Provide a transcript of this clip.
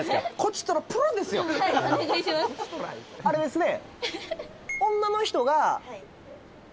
あれですね